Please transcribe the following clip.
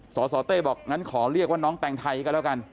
สสเต้บอกงั้นขอเรียกว่าน้องแต่งไทยก็แล้วกัน